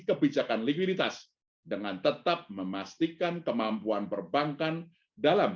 kebijakan likuiditas dengan tetap memastikan kemampuan perbankan dalam